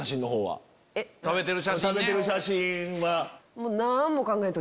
食べてる写真は？